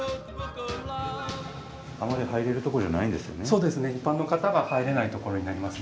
あまり入れるとこじゃないんですよね。